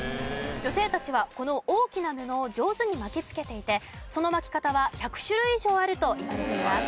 女性たちはこの大きな布を上手に巻きつけていてその巻き方は１００種類以上あるといわれています。